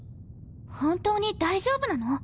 本当に大丈夫なの？